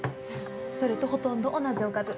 それとほとんど同じおかず。